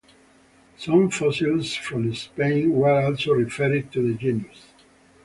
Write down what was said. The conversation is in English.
Some fossils from Spain were also referred to the genus.